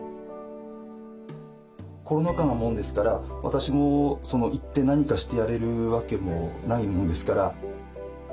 コロナ禍なもんですから私も行って何かしてやれるわけもないもんですから。